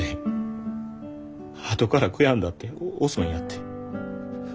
あとから悔やんだって遅いんやて。